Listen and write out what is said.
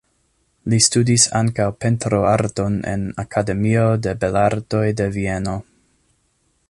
Li studis ankaŭ pentroarton en Akademio de Belartoj de Vieno.